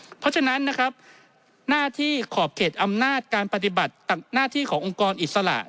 เพราะฉะนั้นนะครับหน้าที่ขอบเขตอำนาจการปฏิบัติหน้าที่ขององค์กรอิสระ